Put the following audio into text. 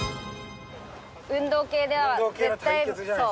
運動系では絶対そう。